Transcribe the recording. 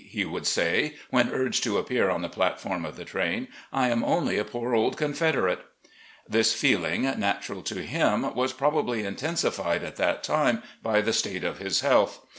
he would say, when urged to appear on the platform of the train; "I am only a poor old Confederate !" This feeling, natural to him, was probably intensified at that time by the state of his health.